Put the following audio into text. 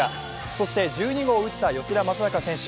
そして１２号を打った吉田正尚選手。